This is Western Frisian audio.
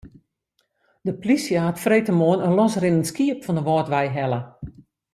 De polysje hat freedtemoarn in losrinnend skiep fan de Wâldwei helle.